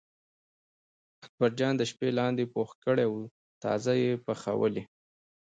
اکبرجان د شپې لاندی پوخ کړی و تازه یې پخولی.